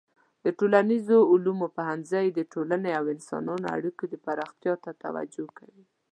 د ټولنیزو علومو پوهنځی د ټولنې او انسانانو اړیکو او پراختیا ته توجه کوي.